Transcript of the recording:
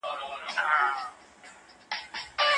مرغۍ له دربار څخه په داسې حال کې لاړه چې عدالت وشو.